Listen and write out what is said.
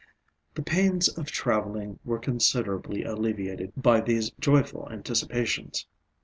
The pains of travelling were considerably alleviated by these joyful anticipations.